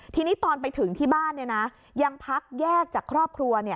ทีนี้ตอนไปถึงที่บ้านยังพักแยกจากครอบครัว